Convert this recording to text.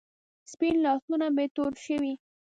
سپین لاسونه مې تور شوې